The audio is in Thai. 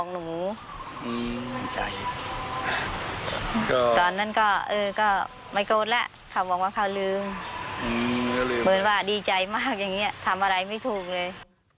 เหมือนว่าดีใจมากอย่างนี้ทำอะไรไม่ถูกเลย